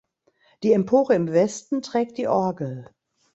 Die Empore im Westen trägt die Orgel.